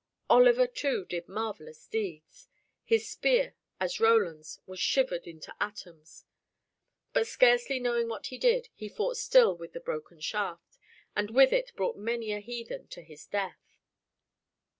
Oliver, too, did marvelous deeds. His spear, as Roland's, was shivered into atoms. But scarcely knowing what he did, he fought still with the broken shaft, and with it brought many a heathen to his death.